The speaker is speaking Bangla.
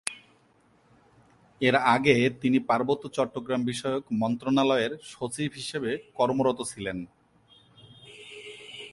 এর আগে তিনি পার্বত্য চট্টগ্রাম বিষয়ক মন্ত্রণালয়ের সচিব হিসেবে কর্মরত ছিলেন।